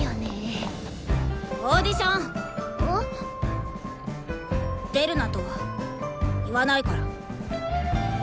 オーディション出るなとは言わないから。